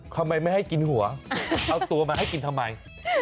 ทำไมไม่ให้กินหัวเอาตัวมาให้กินทำไม